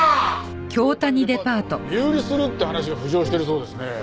京谷デパート身売りするって話が浮上してるそうですね。